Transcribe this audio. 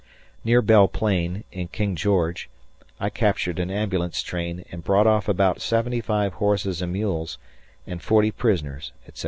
Near Belle Plain, in King George, I captured an ambulance train and brought off about 75 horses and mules, and 40 prisoners, etc.